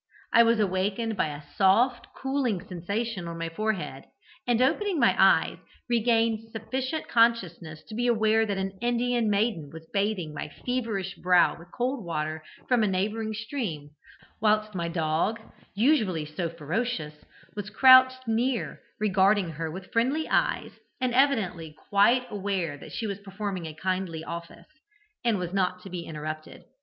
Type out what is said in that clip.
I was awakened by a soft, cooling sensation on my forehead, and opening my eyes, regained sufficient consciousness to be aware that an Indian maiden was bathing my feverish brow with cold water from the neighbouring stream, whilst my dog, usually so ferocious, was couched near, regarding her with friendly eyes, and evidently quite aware that she was performing a kindly office, and was not to be interrupted.